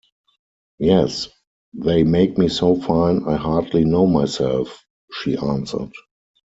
“Yes; they make me so fine, I hardly know myself,” she answered.